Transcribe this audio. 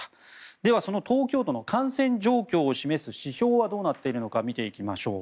では、その東京都の感染状況を示す指標はどうなっているのか見ていきましょう。